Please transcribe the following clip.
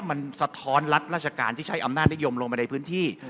มันสะท้อนรัฐราชการที่ใช้อำนาจนิยมลงไปในพื้นที่